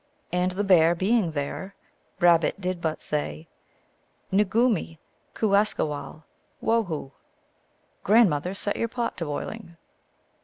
And the Bear being there, Rabbit did but say, " Noogume* ImesawaV tvohu !" "Grandmother, set your pot to boiling